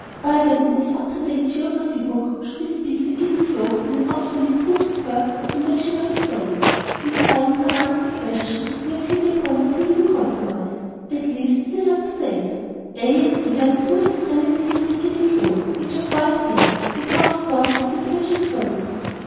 _ Why, then, in this up to date Geography Book, should we depict the Giddy Globe in an obsolete hoop skirt of imaginary Zones? In striving to answer the question, we have hit upon a pleasing compromise. [Illustration: (A, E, C, D markers)] At least it is up to date. A. and E. are the two extremities of the Giddy Globe, which are quite bare. They correspond to the Frigid Zones.